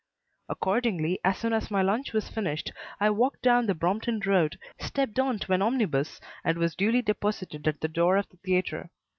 Accordingly as soon as my lunch was finished, I walked down the Brompton Road, stepped on to an omnibus, and was duly deposited at the door of the theatre.